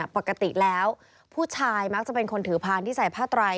ปกติแล้วผู้ชายมักจะเป็นคนถือพานที่ใส่ผ้าไตร